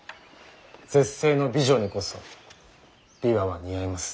絶世の美女にこそ琵琶は似合います。